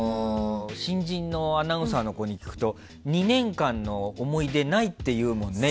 新人のアナウンサーの子に聞くと２年間の思い出ないって言うもんね。